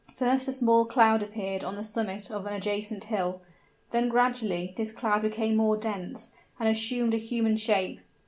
First a small cloud appeared on the summit of an adjacent hill; then gradually this cloud became more dense and assumed a human shape.